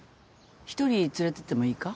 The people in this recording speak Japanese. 一人連れてってもいいか？